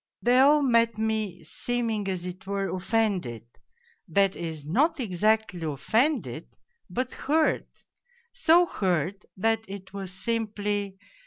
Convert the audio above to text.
They all met me, seeming as it were offended, that is, not exactly offended, but hurt so hurt that it was simply.